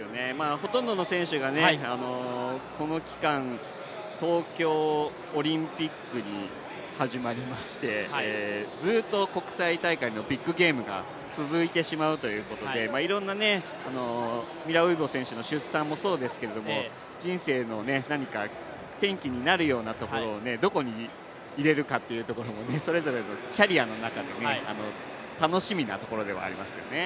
ほとんどの選手がこの期間、東京オリンピックに始まりましてずっと国際大会のビッグゲームが続いてしまうということでいろんなミラーウイボ選手の出産もそうですけど人生の何か転機になるようなところをどこに入れるかっていうのをそれぞれのキャリアの中で、楽しみなところではありますよね。